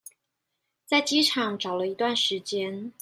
在機場找了一段時間